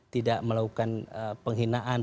tidak melakukan penghinaan